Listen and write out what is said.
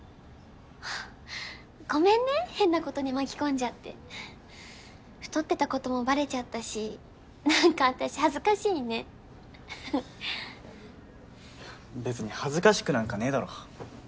ごめんね変なことに巻き込んじゃって太ってたこともバレちゃったし何か私恥ずかしいね別に恥ずかしくなんかねえだろ